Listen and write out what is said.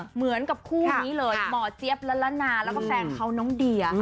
เหมือนกับคู่นี้เลยหมอเจี๊ยบละละนาแล้วก็แฟนเขาน้องเดีย